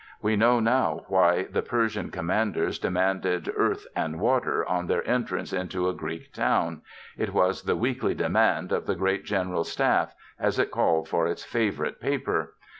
We know now why the Persian commanders demanded "earth and water" on their entrance into a Greek town; it was the weekly demand of the Great General Staff, as it called for its favorite paper.